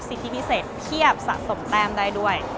สิทธิ์พิเศษเพียบสะสมแปมได้ด้วย